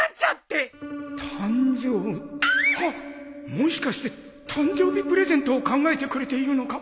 もしかして誕生日プレゼントを考えてくれているのか？